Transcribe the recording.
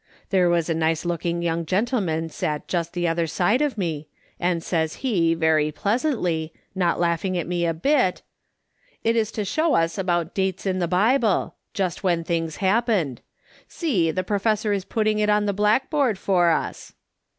There was a nice looking young gentleman sat just the other side of me, and says he, very pleasantly, not laughing at me a bit: "' It is to show us about dates in the Bible ; just when things happened. See, the professor is putting it on the blackboard for us.'